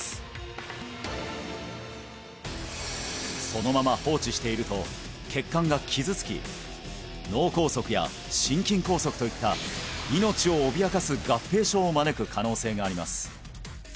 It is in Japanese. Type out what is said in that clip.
そのまま放置していると血管が傷つき脳梗塞や心筋梗塞といった命を脅かす合併症を招く可能性があります